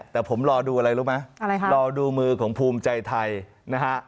แต่ผมรอดูอะไรรู้ไหมอะไรคะรอดูมือของภูมิใจไทยนะฮะ